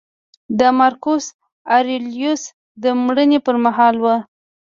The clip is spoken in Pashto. د مارکوس اریلیوس د مړینې پرمهال و